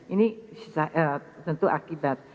ini tentu akibat